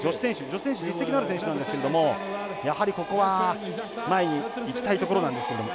女子選手実績のある選手なんですけれどもやはり、ここは前にいきたいところなんですけれども。